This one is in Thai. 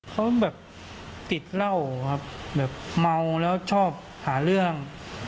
เขาแบบติดเหล้าครับแบบเมาแล้วชอบหาเรื่อง